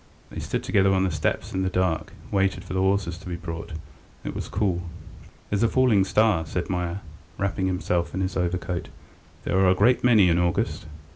They stood together on the steps in the dark, and waited for the horses to be brought. It was cool. "There's a falling star," said Meier, wrapping himself in his overcoat. "There are a great many in August."